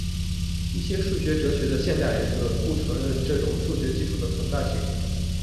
一些数学哲学的现代理论不承认这种数学基础的存在性。